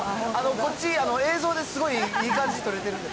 こっち、映像ですごいいい感じに撮れてる。